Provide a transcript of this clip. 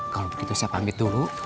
kalau begitu saya panggil dulu